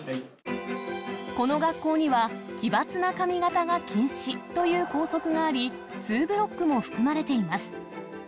この学校には奇抜な髪形が禁止という校則があり、ツーブロックも含まれています。